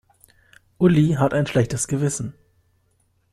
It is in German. Uli hat ein schlechtes Gewissen.